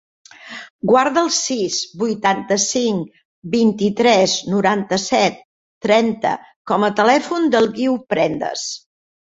Guarda el sis, vuitanta-cinc, vint-i-tres, noranta-set, trenta com a telèfon del Guiu Prendes.